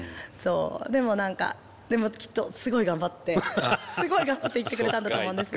でも何かきっとすごい頑張ってすごい頑張って行ってくれたんだと思うんですよ。